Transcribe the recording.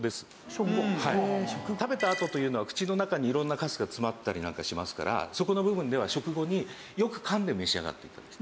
食べたあとというのは口の中に色んなカスが詰まったりなんかしますからそこの部分では食後によく噛んで召し上がって頂きたい。